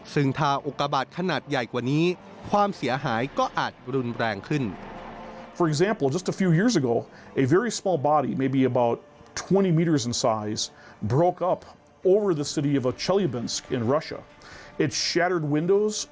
ซึ่งถ้าอุกาบาทขนาดใหญ่กว่านี้ความเสียหายก็อาจรุนแรงขึ้น